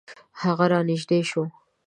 هغه را نژدې شو .